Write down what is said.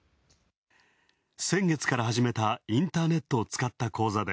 先月から始めたインターネットを使った講座で